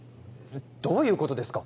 どういうことですか？